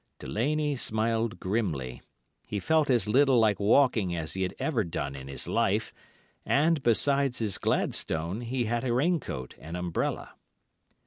"Delaney smiled grimly. He felt as little like walking as he had ever done in his life, and, besides his gladstone, he had a raincoat and umbrella.